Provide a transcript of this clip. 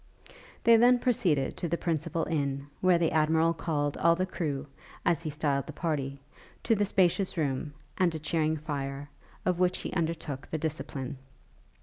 They then proceeded to the principal inn, where the Admiral called all the crew, as he styled the party, to a spacious room, and a cheering fire, of which he undertook the discipline.